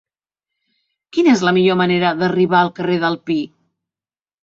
Quina és la millor manera d'arribar al carrer del Pi?